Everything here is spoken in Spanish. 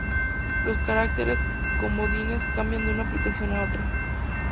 Los caracteres comodines cambian de una aplicación a otra.